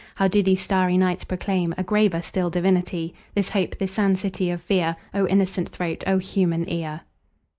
How do these starry notes proclaimA graver still divinity? This hope, this sanctity of fear?O innocent throat! O human ear!